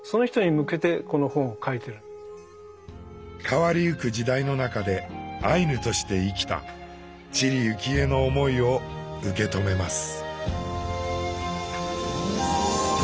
変わりゆく時代の中でアイヌとして生きた知里幸恵の想いを受け止めます。